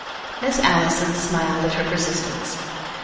Miss Allison smiled at her persistence.